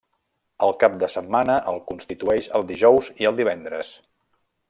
El cap de setmana el constitueix el dijous i el divendres.